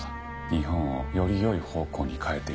日本をより良い方向に変えていきたい